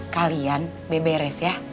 kalian beberes ya